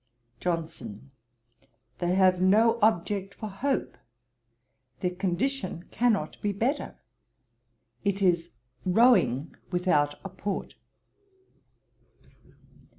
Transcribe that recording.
JOHNSON. 'They have no object for hope. Their condition cannot be better. It is rowing without a port.'